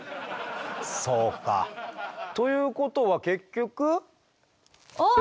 そうかということは結局？